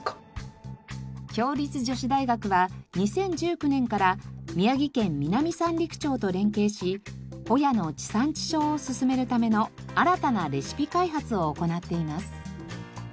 共立女子大学は２０１９年から宮城県南三陸町と連携しホヤの地産地消を進めるための新たなレシピ開発を行っています。